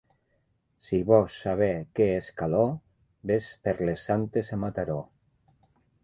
Si vols saber què és calor, ves per les Santes a Mataró.